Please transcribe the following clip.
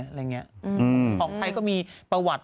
ของไทยก็มีประวัติ